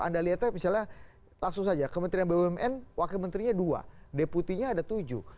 anda lihatnya misalnya langsung saja kementerian bumn wakil menterinya dua deputinya ada tujuh